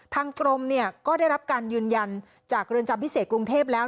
ทางกรมเนี่ยก็ได้รับการยืนยันจากเรือนจำพิเศษกรุงเทพแล้ว